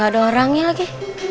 gak ada orangnya lagi